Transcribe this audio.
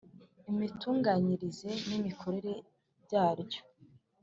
imitunganyirize n imikorere byaryo